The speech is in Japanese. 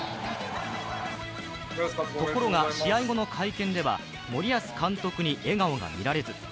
ところが、試合後の会見では森保監督に笑顔が見られず。